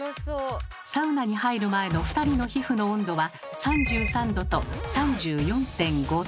サウナに入る前の２人の皮膚の温度は３３℃と３４．５℃。